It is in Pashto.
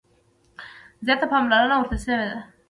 زیاته پاملرنه ورته شوې ده.